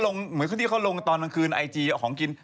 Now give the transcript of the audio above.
เหมือนคนที่เขาลงตอนกลางคืนไอจีเอาของกิน